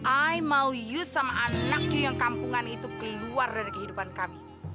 aku mau kamu sama anakmu yang kampungan itu keluar dari kehidupan kami